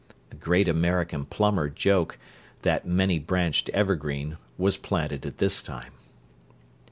The great American plumber joke, that many branched evergreen, was planted at this time.